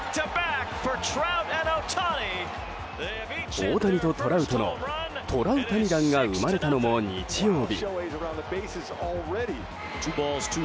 大谷とトラウトのトラウタニ弾が生まれたのも日曜日。